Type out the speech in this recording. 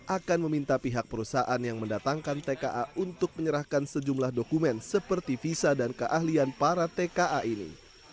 akan meminta pihak perusahaan yang mendatangkan tka untuk menyerahkan sejumlah dokumen seperti visa dan keahlian para tka ini